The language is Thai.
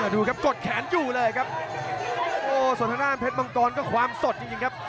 ดูครับกดแขนอยู่เลยครับโอ้สนทนาเผ็ดมองกรก็ความสดจริงครับ